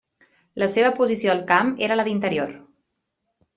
La seva posició al camp era la d'interior.